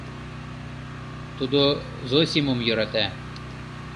— Тудо Зосимым йӧрата.